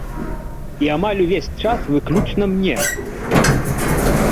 І амаль увесь час выключна мне!